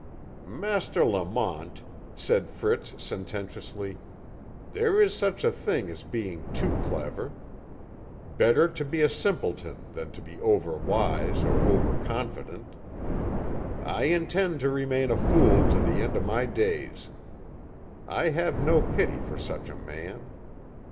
"Master Lamont," said Fritz sententiously, "there is such a thing as being too clever. Better to be a simpleton than to be over wise or over confident. I intend to remain a fool to the end of my days. I have no pity for such a man.